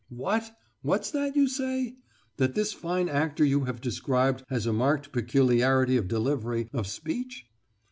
"What! What's that you say? That this fine actor you have described has a marked peculiarity of delivery of speech?"